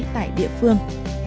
tại địa phương